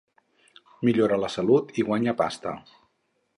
Millora la salut i guanya pasta.